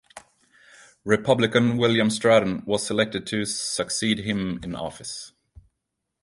Republican William Stratton was elected to succeed him in office.